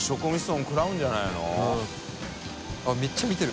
めっちゃ見てる。